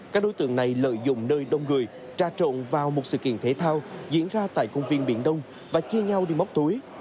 các đối tượng này lợi dụng nơi đông người trà trộn vào một sự kiện thể thao diễn ra tại công viên biển đông và chia nhau đi móc túi